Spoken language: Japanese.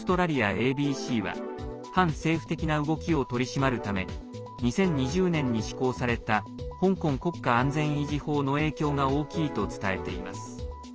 ＡＢＣは反政府的な動きを取り締まるため２０２０年に施行された香港国家安全維持法の影響が大きいと伝えています。